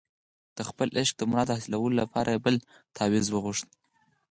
د خپل عشق د مراد د حاصلولو لپاره یې بل تاویز وغوښت.